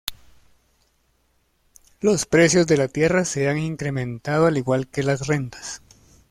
Los precios de la tierra se han incrementado al igual que las rentas.